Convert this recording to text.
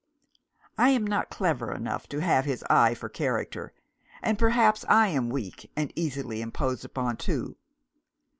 I am not clever enough to have his eye for character: and perhaps I am weak and easily imposed upon too.